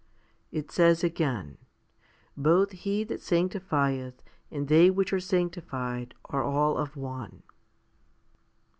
It says again, Both He that sanctifieth and they which are sanctified are all of one.